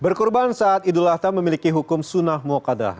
berkurban saat idul ahtam memiliki hukum sunnah muakadah